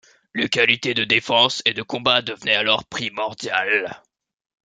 Les qualités de défense et de combat devenaient alors primordiales.